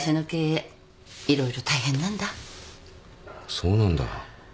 そうなんだ。